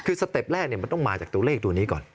คือสเต็ปแรกมันต้องมาจากตัวเลขตัวนี้ก่อน